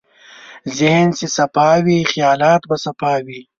ذهن چې صفا وي، خیالات به صفا وي.